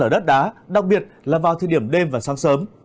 đá đặc biệt là vào thời điểm đêm và sáng sớm